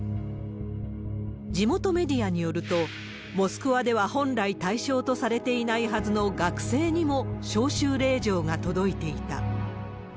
地元メディアによると、モスクアでは本来、対象とされていないはずの学生にも、招集令状が届いていた。